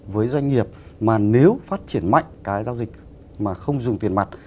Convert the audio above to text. với doanh nghiệp mà nếu phát triển mạnh cái giao dịch mà không dùng tiền mặt